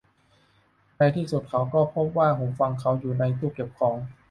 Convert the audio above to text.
ในที่สุดเขาก็พบว่าหูฟังของเขาอยู่ในตู้เก็บของ